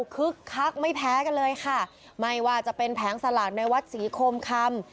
คึกคักไม่แพ้กันเลยค่ะไม่ว่าจะเป็นแผงสลากในวัดศรีโคมคำ